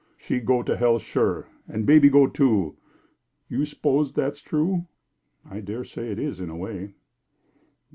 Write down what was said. She go to hell sure, and baby go too. You s'pose that's true?" "I dare say it is, in a way."